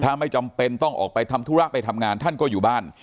ถ้าไม่จำเป็นต้องออกไปทำธุระไปทำงานท่านก็อยู่บ้าน